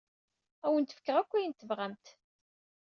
Ad awent-fkeɣ akk ayen tebɣamt.